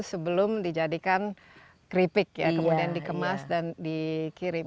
sebelum dijadikan keripik ya kemudian dikemas dan dikirim